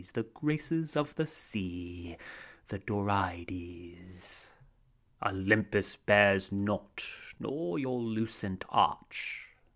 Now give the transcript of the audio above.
The Graces of the Sea, the Dorides. Olympus bears not, nor your lucent arch.